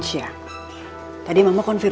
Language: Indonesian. kita mau ke tempat yang lain